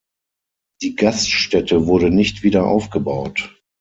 Die Gaststätte wurde nicht wieder aufgebaut.